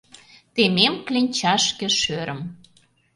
Темем кленчашке шӧрым.